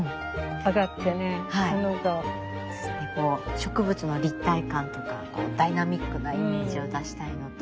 植物の立体感とかこうダイナミックなイメージを出したいのと。